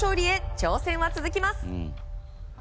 挑戦は続きます。